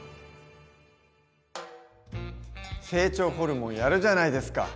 成長ホルモンやるじゃないですか！